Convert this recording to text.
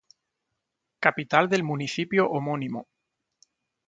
Capital del municipio homónimo.